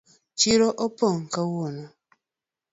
Chiro opong’ kawuono.